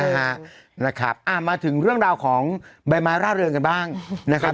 นะครับนะครับอ่ามาถึงเรื่องราวของใบไม้ร่าเริงกันบ้างนะครับ